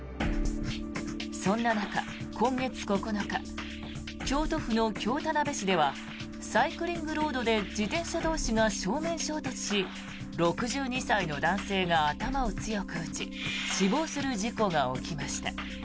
そんな中、今月９日京都府の京田辺市ではサイクリングロードで自転車同士が正面衝突し６２歳の男性が頭を強く打ち死亡する事故が起きました。